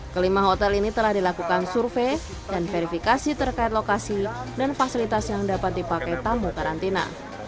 kelima hotel ini telah dilakukan survei dan verifikasi terkait lokasi dan fasilitas yang dapat dipakai tamu karantina